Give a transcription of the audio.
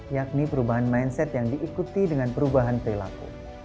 yakni perubahan mindset yang diikuti dengan perubahan perilaku